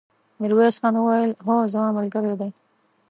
ميرويس خان وويل: هو، زما ملګری دی!